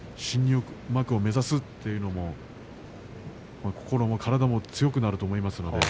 意識して新入幕を目指すというのも心を、体強くなると思います。